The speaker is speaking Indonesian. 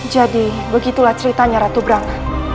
jadi begitulah ceritanya ratu brang